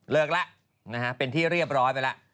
เลิกละเป็นที่เรียบร้อยไปละ